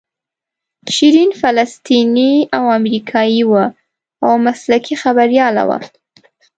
شیرین فلسطینۍ او امریکایۍ وه او مسلکي خبریاله وه.